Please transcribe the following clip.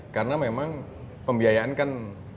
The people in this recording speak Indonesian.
karena memang pembiayaan kan